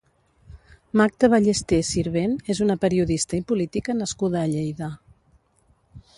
Magda Ballester Sirvent és una periodista i política nascuda a Lleida.